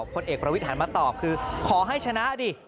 พลเอกประวิทย์หันมาตอบคือขอให้ชนะดิ